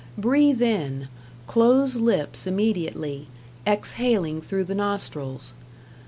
Breathe in, close lips immediately, exhaling through the nostrils.